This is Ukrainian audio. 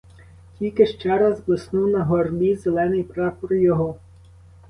Тільки ще раз блиснув на горбі зелений прапор його.